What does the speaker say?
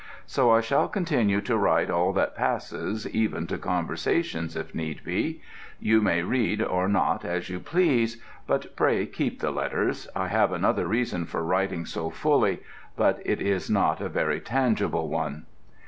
So I shall continue to write all that passes, even to conversations if need be you may read or not as you please, but pray keep the letters. I have another reason for writing so fully, but it is not a very tangible one.